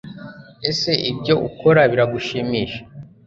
Ese ibyo ukora biragushimisha